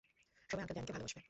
সবাই আঙ্কেল ড্যানিকে ভালোবাসবে।